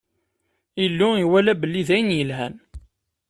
Illu iwala belli d ayen yelhan.